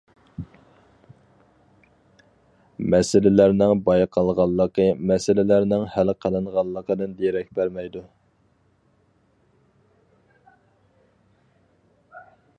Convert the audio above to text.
مەسىلىلەرنىڭ بايقالغانلىقى مەسىلىلەرنىڭ ھەل قىلىنغانلىقىدىن دېرەك بەرمەيدۇ.